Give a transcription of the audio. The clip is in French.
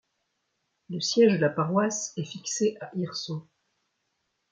Le siège de la paroisse est fixé à Hirson.